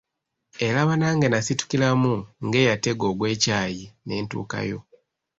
Era bannange nasitukiramu ng'eyatega ogw'ekyayi ne ntuukayo.